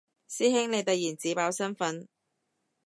師兄你突然自爆身份